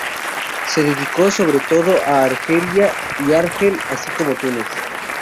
Se dedicó sobre todo a Argelia y Argel así como Túnez.